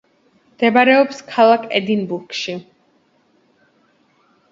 მდებარეობს დედაქალაქ ედინბურგში.